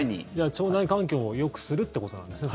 腸内環境をよくするってことなんですね。